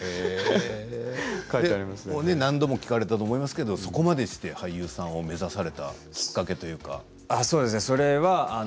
何度も聞かれたと思いますがそこまでして俳優さんを目指されたきっかけは？